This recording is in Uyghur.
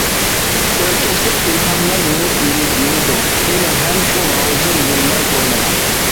ئۆركەشلىك ئىلھاملار مىنىپ يۈرىدۇ، ھېلىھەم شۇ غالجىر يىللار بوينىغا.